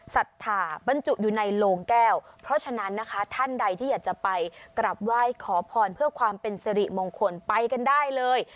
ศรัทธาบรรจุอยู่ในโลงแก้วเพราะฉะนั้นนะคะท่านใดที่อยากจะไปกลับไหว้ขอพรเพื่อความเป็นสิริมงคลไปกันได้เลย